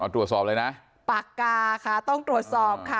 ตรวจสอบเลยนะปากกาค่ะต้องตรวจสอบค่ะ